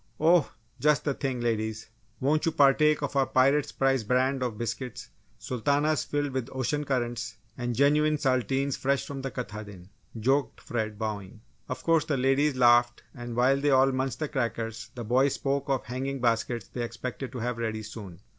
"Oh, just the thing! Ladies, won't you partake of our Pirate's Prize brand of biscuits? Sultanas filled with ocean currents and genuine Saltines fresh from the Katahdin!" joked Fred, bowing. Of course the ladies laughed and while they all munched the crackers the boys spoke of the hanging baskets they expected to have ready soon.